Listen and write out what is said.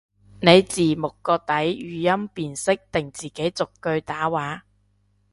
你字幕個底語音辨識定自己逐句打話？